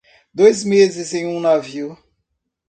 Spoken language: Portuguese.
Dois meses em um navio